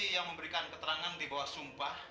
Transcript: yang memberikan keterangan di bawah sumpah